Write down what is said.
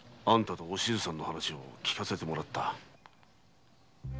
あんたとおしずさんの話を聞かせてもらった。